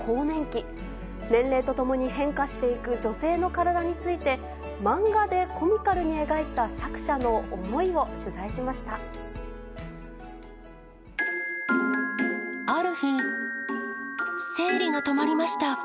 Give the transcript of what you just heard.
年齢とともに変化していく女性の体について、漫画でコミカルに描いた作者の思いを取材しました。